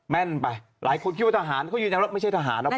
แม่นไปหลายคนคิดว่าทหารเขายืนยันว่าไม่ใช่ทหารหรอก